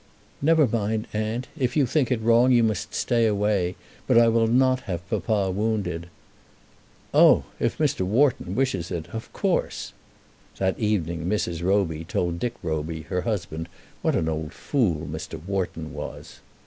"Never mind, aunt. If you think it wrong you must stay away; but I will not have papa wounded." "Oh; if Mr. Wharton wishes it; of course." That evening Mrs. Roby told Dick Roby, her husband, what an old fool Mr. Wharton was.